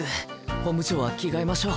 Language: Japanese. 本部長は着替えましょう。